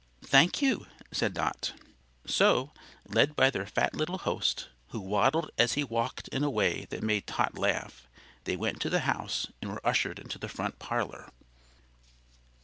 "Thank you," said Dot. So, led by their fat little host, who waddled as he walked in a way that made Tot laugh, they went to the house and were ushered into the front parlor.